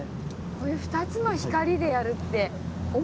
こういう２つの光でやるってそうですね。